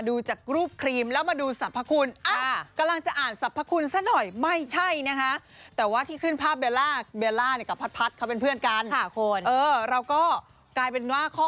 ดูจากรูปครีมแล้วมาดูสรรพคุณ